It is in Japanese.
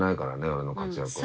俺の活躍を。